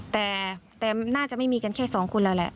แต่น่าจะไม่มีกันแค่สองคนแล้วแหละ